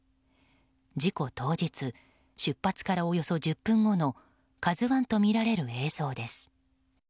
事故当日出発からおよそ１０分後の「ＫＡＺＵ１」とみられる映像です。